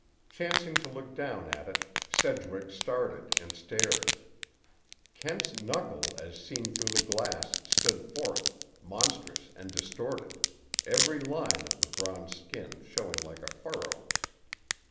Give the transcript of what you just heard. Chancing to look down at it, Sedgwick started and stared. Kent's knuckle, as seen through the glass, stood forth, monstrous and distorted, every line of the bronzed skin showing like a furrow.